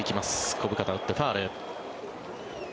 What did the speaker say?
小深田打ってファウル。